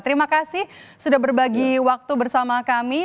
terima kasih sudah berbagi waktu bersama kami